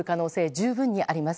十分にあります。